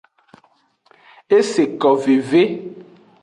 Eseko veve.